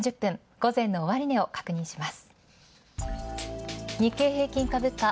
午前の終値を確認します。